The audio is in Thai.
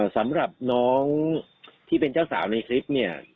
สำหรับน้องที่เป็นเจ้าสาวในคลิปเนี่ย